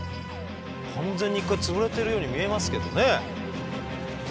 完全に一回潰れてるように見えますけどね。